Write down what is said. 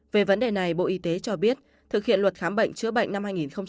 về vấn đề này bộ y tế cho biết thực hiện luật khám bệnh chữa bệnh năm hai nghìn một mươi năm